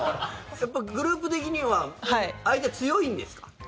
やっぱりグループ的には相手は強いんですか？